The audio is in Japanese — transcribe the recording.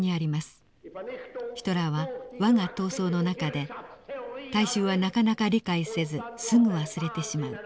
ヒトラーは「わが闘争」の中で「大衆はなかなか理解せずすぐ忘れてしまう。